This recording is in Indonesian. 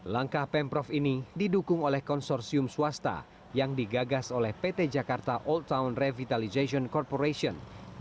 langkah pemprov ini didukung oleh konsorsium swasta yang digagas oleh pt jakarta old town revitalization corporation